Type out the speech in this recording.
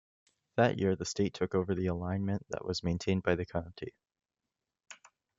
That year, the state took over the alignment that was maintained by the county.